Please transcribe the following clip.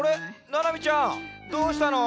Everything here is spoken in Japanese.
ななみちゃんどうしたの？